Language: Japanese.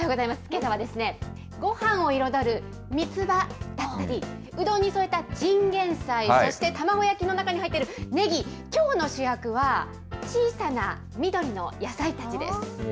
けさは、ごはんを彩るみつばだったり、うどんに添えたチンゲン菜、そして卵焼きの中に入っているねぎ、きょうの主役は小さな緑の野菜たちです。